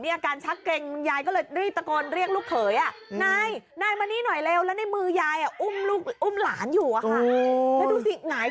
ตกใจกันหมดบ้าเลยเราเองฟังก็ยังตกใจ